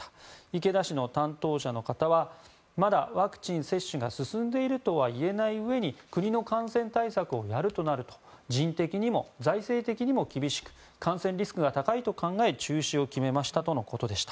池田市の担当者の方はまだワクチン接種が進んでいるとは言えないうえに国の感染対策をやるとなると人的にも財政的にも厳しく感染リスクが高いと考え中止を決めましたとのことでした。